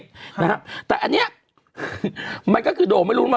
นะครับแต่อันนี้มันก็คือโด่ไม่รู้หลม